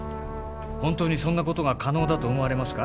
本当にそんなことが可能だと思われますか？